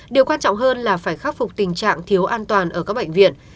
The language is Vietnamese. điều quan trọng hơn là phải khắc phục tình trạng thiếu an toàn ở các bệnh viện